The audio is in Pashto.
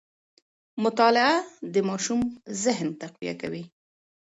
مطالعه د ماشوم ذهن تقویه کوي.